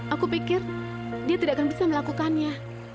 aku pikir dia tidak akan bisa melakukannya